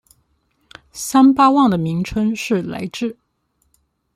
三巴旺的名称是来至。